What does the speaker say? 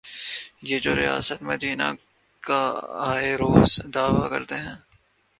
یہ جو ریاست مدینہ کا آئے روز دعوی کرتے ہیں۔